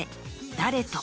誰と？